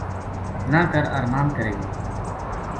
نہ کر ارماند کرے گی